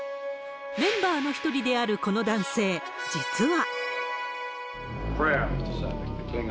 メンバーの一人であるこの男性、実は。